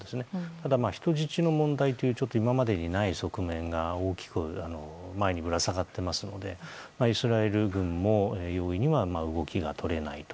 ただ、人質の問題というちょっと、今までにない側面が大きく前にぶら下がってますのでイスラエル軍も容易には動きが取れないと。